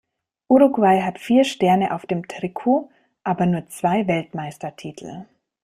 Uruguay hat vier Sterne auf dem Trikot, aber nur zwei Weltmeistertitel.